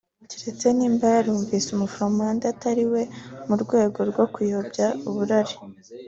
keretse niba yaramwise umuflamand atari we mu rwego rwo kuyobya uburari